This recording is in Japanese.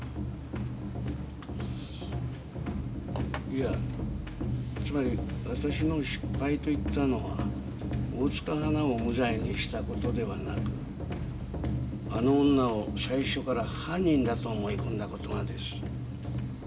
いやつまり私の失敗と言ったのは大塚ハナを無罪にした事ではなくあの女を最初から犯人だと思い込んだ事がです。